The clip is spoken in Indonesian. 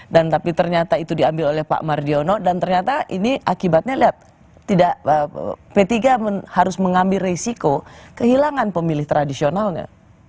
dan tapi ternyata itu diambil oleh pak mardiono dan ternyata ini akibatnya lihat p tiga harus mengambil resiko kehilangan pemilih tradisionalnya